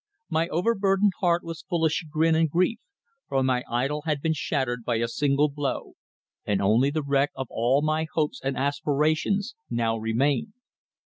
My overburdened heart was full of chagrin and grief, for my idol had been shattered by a single blow, and only the wreck of all my hopes and aspirations now remained.